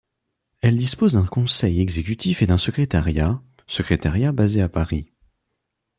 Elle dispose d'un conseil exécutif et d'un secrétariat, secrétariat basé à Paris.